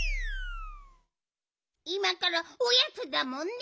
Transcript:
いまからおやつだもんね。